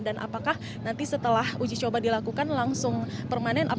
dan apakah nanti setelah uji coba dilakukan langsung permanen